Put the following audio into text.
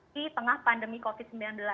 di tengah pandemi covid sembilan belas